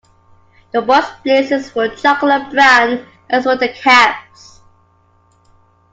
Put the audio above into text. The boy's blazers were chocolate brown, as were the caps.